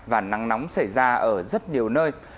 và nắng nóng xảy ra ở rất nhiều nơi